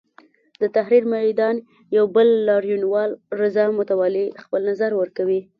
د تحریر میدان یو بل لاریونوال رضا متوالي خپل نظر ورکوي.